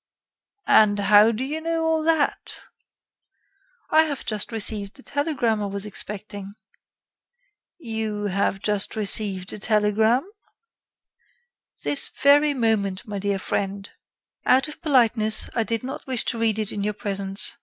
"And how do you know all that?" "I have just received the telegram I was expecting." "You have just received a telegram?" "This very moment, my dear friend. Out of politeness, I did not wish to read it in your presence.